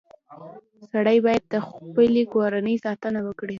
• سړی باید د خپلې کورنۍ ساتنه وکړي.